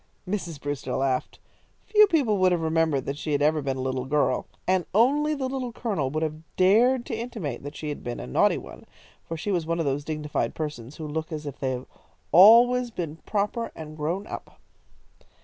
Mrs. Brewster laughed. Few people would have remembered that she had ever been a little girl, and only the Little Colonel would have dared to intimate that she had been a naughty one, for she was one of those dignified persons who look as if they had always been proper and grown up.